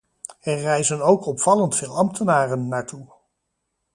Er reizen ook opvallend veel ambtenaren naartoe.